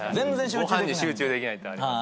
ご飯に集中できないってあります。